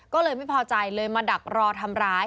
ก็เลยไม่พอใจเลยมาดักรอทำร้าย